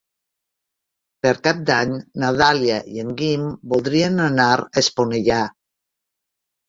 Per Cap d'Any na Dàlia i en Guim voldrien anar a Esponellà.